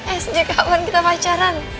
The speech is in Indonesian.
eh sejak kapan kita pacaran